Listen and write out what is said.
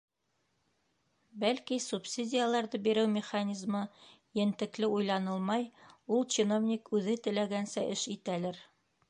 Бәлки, субсидияларҙы биреү механизмы ентекле уйланылмай, ул чиновник үҙе теләгәнсә эш итәлер.